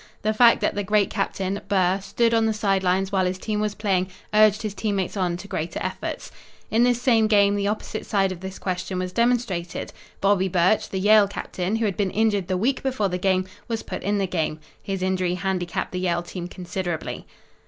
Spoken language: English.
The fact that the great captain, Burr, stood on the side lines while his team was playing, urged his team mates on to greater efforts. "In this same game the opposite side of this question was demonstrated. Bobbie Burch, the Yale captain, who had been injured the week before the game, was put in the game. His injury handicapped the Yale team considerably."